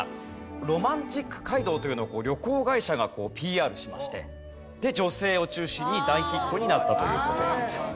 ロマンチック街道というのを旅行会社がＰＲしまして女性を中心に大ヒットになったという事なんです。